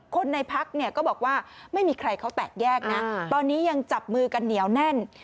คนในพักเนี่ยก็บอกว่าไม่มีใครเขาแตกแยกนะตอนนี้ยังจับมือกันเหนียวแน่น